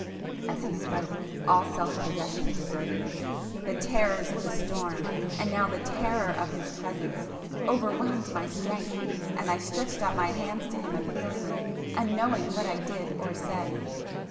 As he spoke, all self possession deserted me,—the terrors of the storm, and now the terror of his presence, overwhelmed my strength, and I stretched out my hands to him appealingly, unknowing what I did or said.